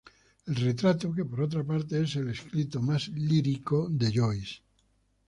El "Retrato", por otra parte, es el escrito más lírico de Joyce.